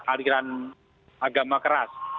aliran agama keras